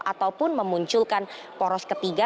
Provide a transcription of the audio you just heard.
ataupun memunculkan poros ketiga